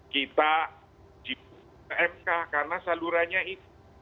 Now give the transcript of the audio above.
kita di mk karena salurannya itu